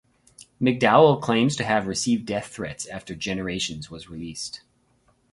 McDowell claims to have received death threats after "Generations" was released.